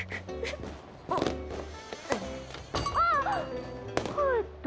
あっ帰った。